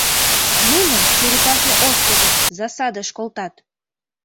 — Нуным Черепахе островыш засадыш колтат!